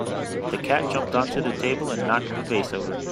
The cat jumped up onto the table and knocked the vase over.